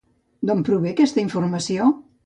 D'on prové aquesta informació?